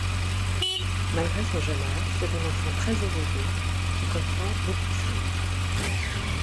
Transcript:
Malgré son jeune âge, c'est un enfant très éveillé qui comprend beaucoup de choses.